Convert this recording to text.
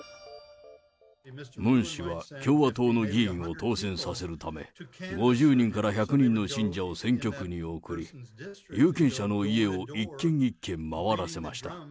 ムン氏は共和党の議員を当選させるため、５０人から１００人の信者を選挙区に送り、有権者の家を一軒一軒回らせました。